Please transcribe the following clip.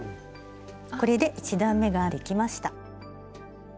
これで１段めができました。